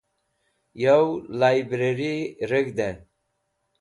Yow Librari Reg̃hde